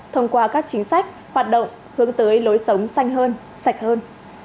thông qua các chính sách hoạt động hướng tới lối sống xanh hơn sạch hơn